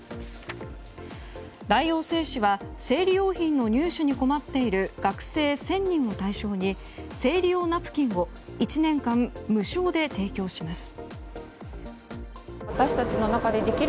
大王製紙は生理用品の入手に困っている学生１０００人を対象に生理用ナプキンを１年間無償で提供します。